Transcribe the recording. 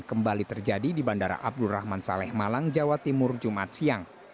kembali terjadi di bandara abdurrahman saleh malang jawa timur jumat siang